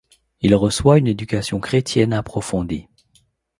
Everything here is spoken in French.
Il reçoit une éducation chrétienne approfondie.